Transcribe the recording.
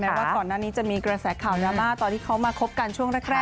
แม่ว่าขอนั้นนี้จะมีกระแสข่าวน้ำมาต่อที่เขามาคบกันช่วงแรกนะ